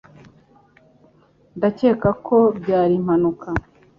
Ndakeka ko byari impanuka.